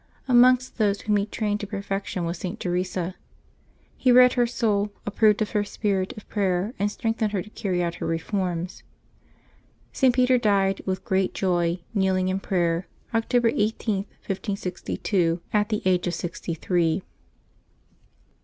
Amongst those whom he trained to perfection was St. Teresa. He read her soul, approved of her spirit of prayer, and strengthened her to carry out her reforms. St. Peter died, with great joy, kneeling in prayer, Oc tober 18, 1562, at the age of sixty three.